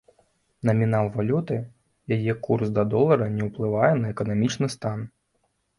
Намінал валюты, яе курс да долара не ўплывае на эканамічны стан.